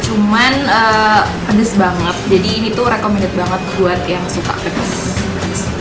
cuman pedes banget jadi ini tuh recommended banget buat yang suka pedas